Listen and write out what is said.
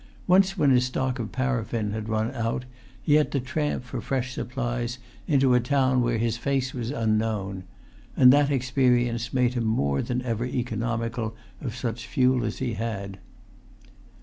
Once, when his stock of par[Pg 212]affin had run out, he had to tramp for fresh supplies into a town where his face was unknown; and that experience made him more than ever economical of such fuel as he had.